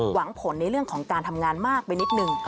หวังผลในเรื่องของการทำงานมากไปนิดนึง